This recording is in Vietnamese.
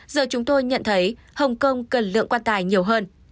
giờ chúng tôi nhận thấy hồng kông cần lượng quan tài nhiều hơn